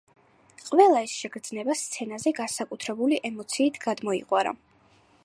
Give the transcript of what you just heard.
ყველა ეს შეგრძნება სცენაზე განსაკუთრებული ემოციით გადმოიღვარა.